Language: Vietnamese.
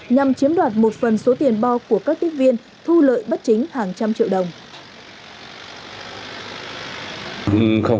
nhằm chiếm đoạt một phần số tiền bo của các tiếp viên thu lợi bất chính hàng trăm triệu đồng